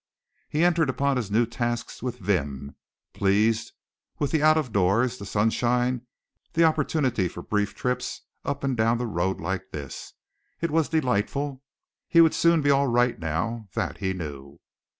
He entered upon his new tasks with vim, pleased with the out of doors, the sunshine, the opportunity for brief trips up and down the road like this. It was delightful. He would soon be all right now, that he knew.